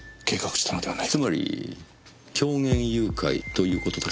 つまり狂言誘拐ということですか？